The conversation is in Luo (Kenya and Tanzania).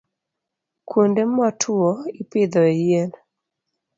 Kuonde motwo ipidhoe yien.